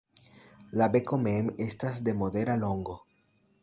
La beko mem estas de modera longo.